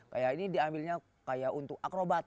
kayak ini diambilnya kayak untuk akrobat